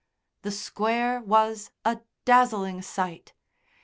The Square was a dazzling sight.